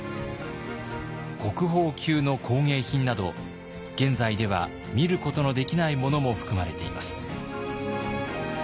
国宝級の工芸品など現在では見ることのできないものも含まれています。